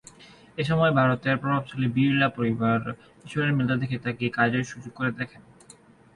এসময় ভারতের প্রভাবশালী বিড়লা পরিবার কিশোরের মেধা দেখে তাকে কাজের সুযোগ করে দেখেন।